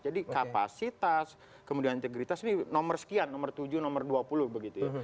jadi kapasitas kemudian integritas ini nomor sekian nomor tujuh nomor dua puluh begitu ya